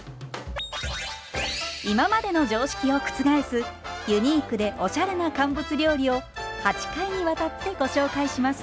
今までの常識を覆すユニークでおしゃれな乾物料理を８回にわたってご紹介します。